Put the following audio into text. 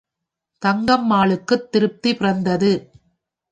தங்கம்மாளுக்குத் திருப்தி பிறந்தது.